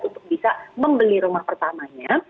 untuk bisa membeli rumah pertamanya